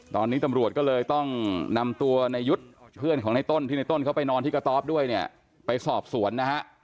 ตอนนี้ตำรวจก็เลยต้องนำตัวในยุทธ์เพื่อนของในต้นที่ในต้นเขาไปนอนที่กระต๊อบด้วยเนี่ยไปสอบสวนนะฮะ